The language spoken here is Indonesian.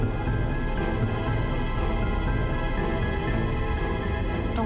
di rumah sakit sekarang